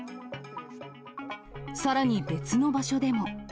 さらに別の場所でも。